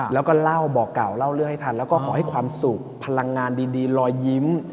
แล้วก็เล่าบอกเก่าเล่าเรื่องให้ทันแล้วก็ขอให้ความสุขพลังงานดีรอยยิ้ม